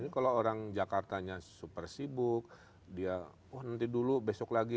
kalau orang jakartanya super sibuk dia nanti dulu besok lagi